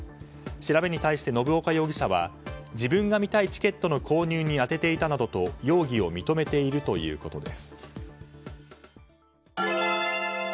調べに対して信岡容疑者は自分が見たいチケットの購入に充てていたなどと容疑を認めているということです。